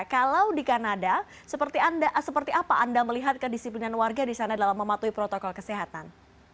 kalau di kanada seperti apa anda melihat kedisiplinan warga di sana dalam mematuhi protokol kesehatan